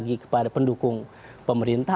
baik bagi kepada pendukung pemerintah